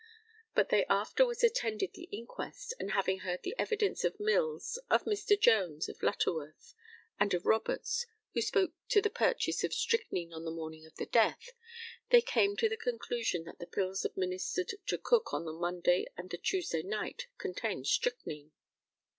But they afterwards attended the inquest, and having heard the evidence of Mills, of Mr. Jones, of Lutterworth, and of Roberts (who spoke to the purchase of strychnine on the morning of the death), they came to the conclusion that the pills administered to Cook on the Monday and the Tuesday night contained strychnine.